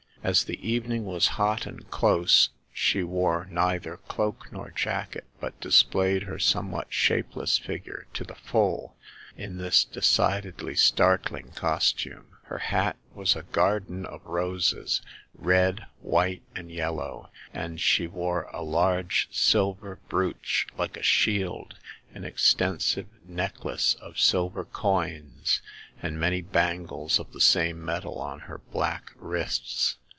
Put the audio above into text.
As the evening was hot and close, she wore neither cloak nor jacket, but displayed her somewhat shapeless figure to the full in this decidedly startling cos tume. Her hat was a garden of roses — red, white, and yellow ; and she wore a large silver brooch like a shield, an extensive necklace of silver coins, and many bangles of the same metal on her black wrists.